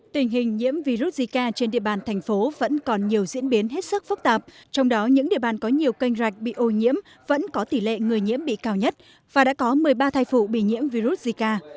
tình hình nhiễm virus zika trên địa bàn thành phố vẫn còn nhiều diễn biến hết sức phức tạp trong đó những địa bàn có nhiều kênh rạch bị ô nhiễm vẫn có tỷ lệ người nhiễm bị cao nhất và đã có một mươi ba thai phụ bị nhiễm virus zika